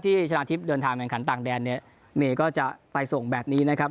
ชนะทิพย์เดินทางแข่งขันต่างแดนเนี่ยเมย์ก็จะไปส่งแบบนี้นะครับ